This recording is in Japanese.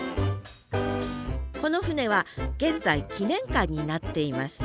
この船は現在記念館になっています。